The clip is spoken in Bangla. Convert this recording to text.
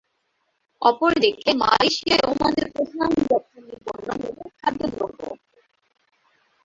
অপরদিকে, মালয়েশিয়ায় ওমানের প্রধান রপ্তানি পণ্য হল খাদ্যদ্রব্য।